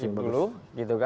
disimpan dulu gitu kan